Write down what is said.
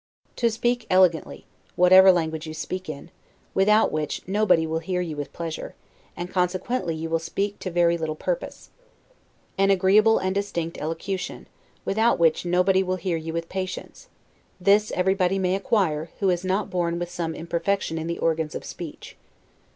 To speak elegantly, whatever language you speak in; without which nobody will hear you with pleasure, and consequently you will speak to very little purpose. An agreeable and distinct elocution; without which nobody will hear you with patience: this everybody may acquire, who is not born with some imperfection in the organs of speech.